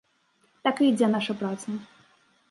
Так і ідзе наша праца.